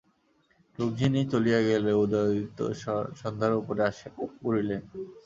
রুক্মিণী চলিয়া গেলে উদয়াদিত্য শয্যার উপরে আসিয়া পড়িলেন।